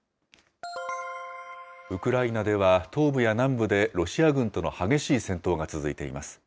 ウクライナでは、東部や南部でロシア軍との激しい戦闘が続いています。